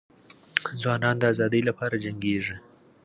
ځوانان د ازادۍ لپاره جنګیږي.